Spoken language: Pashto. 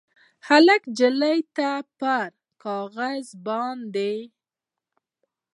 هلک نجلۍ ته پر کاغذ باندې